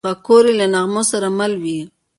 پکورې له نغمو سره مل وي